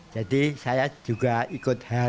jadi saya juga ikut harapan